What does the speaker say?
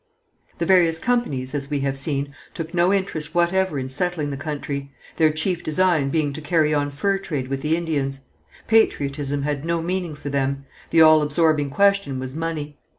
The various companies, as we have seen, took no interest whatever in settling the country, their chief design being to carry on fur trade with the Indians. Patriotism had no meaning for them, the all absorbing question was money.